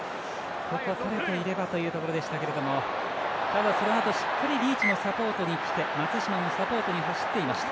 こことれていればというところでしたけどもそのあと、しっかりリーチもサポートにきて松島もサポートに走っていました。